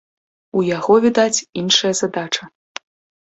У яго, відаць, іншая задача.